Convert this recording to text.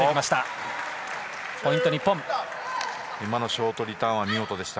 今のショートリターンは見事でした。